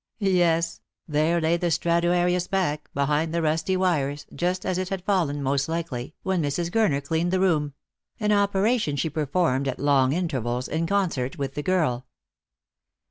Yes, there lay the S traduarius back, behind the rusty wires, just as it had fallen, most likely, when Mrs. G urner cleaned the room — an operation she performed at long intervals, in concert with the girl.